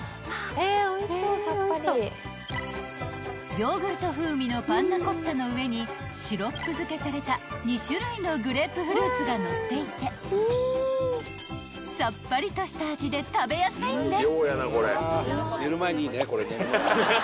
［ヨーグルト風味のパンナコッタの上にシロップ漬けされた２種類のグレープフルーツがのっていてさっぱりとした味で食べやすいんです］